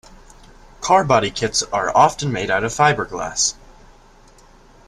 Car body kits are often made out of fiberglass.